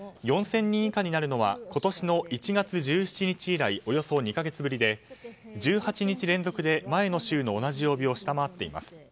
４０００人以下になるのは今年の１月１７日以来およそ２か月ぶりで１８日連続で前の週の同じ曜日を下回っています。